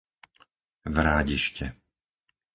Vrádište